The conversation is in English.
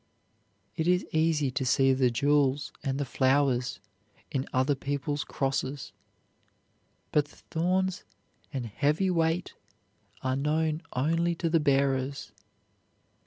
It is easy to see the jewels and the flowers in other people's crosses, but the thorns and heavy weight are known only to the bearers.